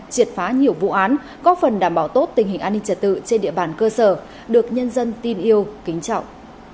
triệt phá nhiều vụ án có phần đảm bảo tốt tình hình an ninh trật tự trên địa bàn cơ sở được nhân dân tin yêu kính trọng